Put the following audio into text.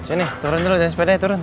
sini turun dulu dan sepedanya turun